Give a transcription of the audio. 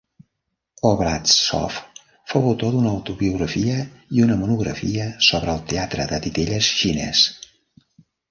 Obraztsov fou autor d'una autobiografia i una monografia sobre el teatre de titelles xinès.